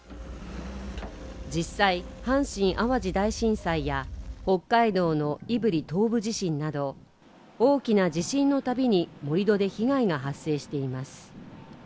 実際阪神・淡路大震災や北海道の胆振東部地震など大きな地震のたびにも井戸で被害が発生しています